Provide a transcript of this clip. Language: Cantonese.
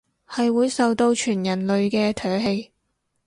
係會受到全人類嘅唾棄